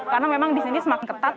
karena memang di sini semakin ketat